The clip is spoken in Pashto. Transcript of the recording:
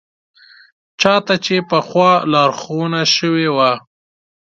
چا ته چې پخوا لارښوونه شوې وه.